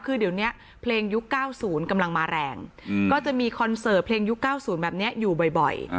คือเดี๋ยวนี้เพลงยุค๙๐กำลังมาแรงก็จะมีคอนเสิร์ตเพลงยุค๙๐แบบนี้อยู่บ่อย